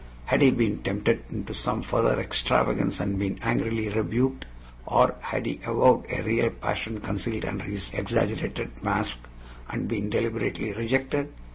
Had he been tempted into some further extravagance and been angrily rebuked, or had he avowed a real passion concealed under his exaggerated mask and been deliberately rejected?